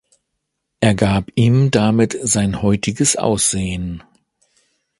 Er gab ihm damit sein heutiges Aussehen.